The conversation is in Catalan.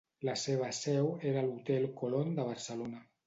La seva seu era a l'Hotel Colón de Barcelona.